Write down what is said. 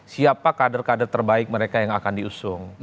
siapa kader kader terbaik mereka yang akan diusung